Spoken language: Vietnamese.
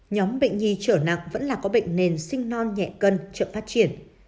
nhóm bệnh nhi trở nặng vẫn là có bệnh nền sinh non nhẹ cân chậm phát triển